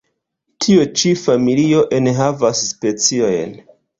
Tio ĉi familio enhavas speciojn.